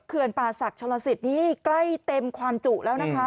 เคือนป่าศักดิ์ชะละศิษย์นี่ใกล้เต็มความจุแล้วนะคะ